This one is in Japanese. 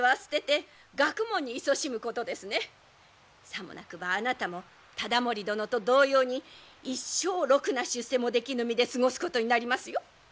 さもなくばあなたも忠盛殿と同様に一生ろくな出世もできぬ身で過ごすことになりますよ。